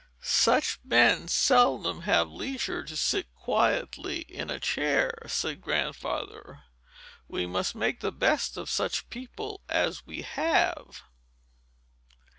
"Such men seldom have leisure to sit quietly in a chair," said Grandfather. "We must make the best of such people as we have."